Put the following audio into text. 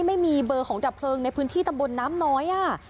ไม่มีเบอร์ของดับเพลิงในพื้นที่ตำบลน้ำน้อย